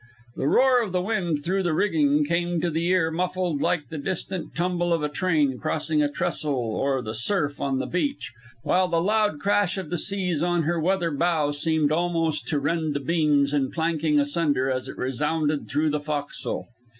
The roar of the wind through the rigging came to the ear muffled like the distant rumble of a train crossing a trestle or the surf on the beach, while the loud crash of the seas on her weather bow seemed almost to rend the beams and planking asunder as it resounded through the fo'castle.